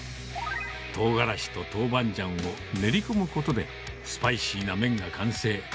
とうがらしとトウバンジャンを練り込むことで、スパイシーな麺が完成。